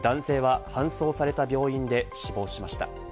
男性は搬送された病院で死亡しました。